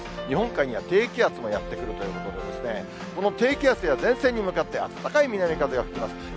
日本海には低気圧もやって来るということで、この低気圧や前線に向かって、暖かい南風が吹きます。